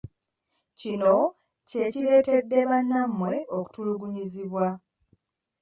Kino kye kireetedde bannammwe okutulugunyizibwa.